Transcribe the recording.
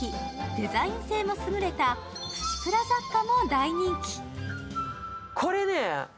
デザイン性も優れたプチプラ雑貨も大人気。